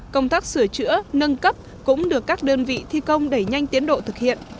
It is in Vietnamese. công tác sửa chữa nâng cấp cũng được các đơn vị thi công đẩy nhanh tiến độ thực hiện